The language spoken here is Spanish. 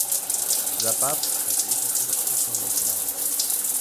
Rap-Up caracteriza el single como "descarado".